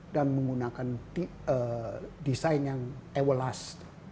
dan menggunakan desain yang terakhir